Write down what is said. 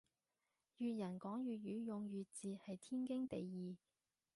粵人講粵語用粵字係天經地義